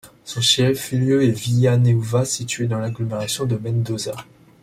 Son chef-lieu est Villa Nueva, située dans l'agglomération de Mendoza.